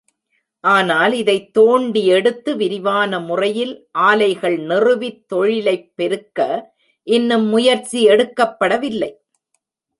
ஆனால் இதைத் தோண்டி எடுத்து விரிவான முறையில் ஆலைகள் நிறுவித் தொழிலைப் பெருக்க இன்னும் முயற்சி எடுக்கப்படவில்லை.